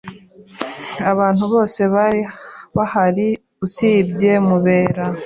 Abantu bose bari bahari usibye Mubera.